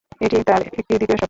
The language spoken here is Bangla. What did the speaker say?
এটি তার একটি দ্বিতীয় সত্তা।